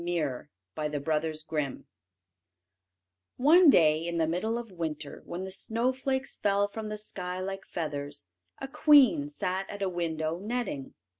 CHAPTER II THE MAGIC MIRROR One day in the middle of winter, when the snowflakes fell from the sky like feathers, a queen sat at a window netting.